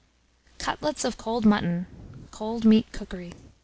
CUTLETS OF COLD MUTTON (Cold Meat Cookery).